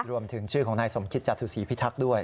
รวมถึงชื่อของนายสมคิดจดถุศีพิทักษ์ด้วย